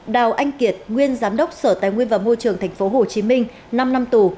đào anh kiệt nguyên giám đốc sở tài nguyên và môi trường tp hcm năm năm tù